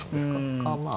かまあ。